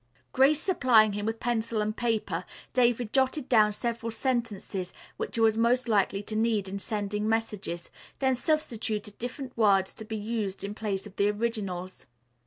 Grace supplying him with pencil and paper, David jotted down several sentences which he was most likely to need in sending messages, then substituted different words to be used in place of the originals.